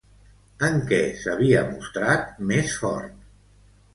En què s'havia mostrat més fort?